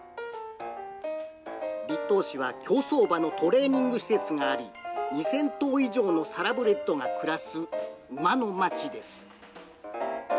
栗東市は競走馬のトレーニング施設があり、２０００頭以上のサラブレッドが暮らす、馬のまちです。